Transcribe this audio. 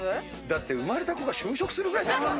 だって生まれた子が就職するぐらいですよ。